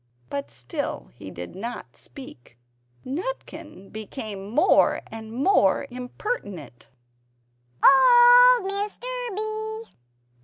But still he did not speak. Nutkin became more and more impertinent "Old Mr. B!